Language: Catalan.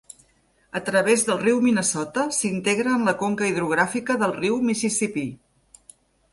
A través del riu Minnesota, s'integra en la conca hidrogràfica del riu Mississipí.